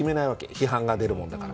批判が出るもんだから。